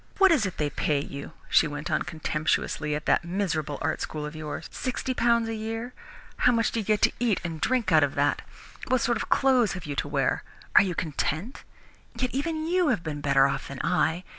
What is it they pay you," she went on contemptuously, "at that miserable art school of yours? Sixty pounds a year! How much do you get to eat and drink out of that? What sort of clothes have you to wear? Are you content? Yet even you have been better off than I.